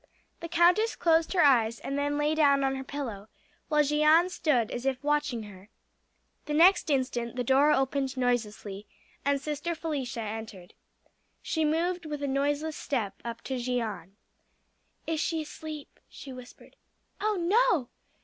The countess closed her eyes and then lay down on her pillow, while Jeanne stood as if watching her. The next instant the door opened noiselessly and Sister Felicia entered. She moved with a noiseless step up to Jeanne. "Is she asleep?" she whispered. "Oh no!"